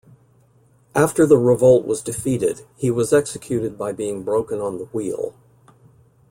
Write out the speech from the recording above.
After the revolt was defeated, he was executed by being broken on the wheel.